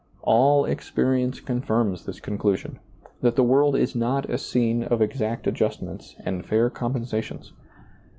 All experience confirms this conclusion, that this world is not a scene of exact adjustments and fair compensations.